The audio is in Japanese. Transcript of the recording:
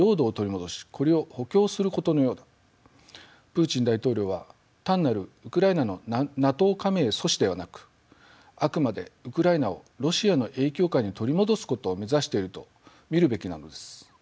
プーチン大統領は単なるウクライナのＮＡＴＯ加盟阻止ではなくあくまでウクライナをロシアの影響下に取り戻すことを目指していると見るべきなのです。